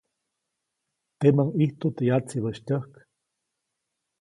Teʼmäʼuŋ ʼijtu teʼ yatsibäʼis tyäjk.